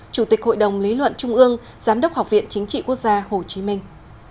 chủ tịch hội đồng lý luận trung ương giám đốc học viện chính trị quốc gia hồ chí minh